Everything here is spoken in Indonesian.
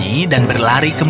ada yang mendengarkan